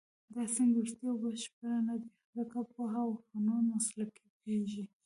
دا سیند وروستۍ او بشپړه نه دی، ځکه پوهه او فنون مسلکي کېږي.